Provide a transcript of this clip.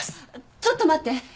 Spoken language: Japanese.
ちょっと待って。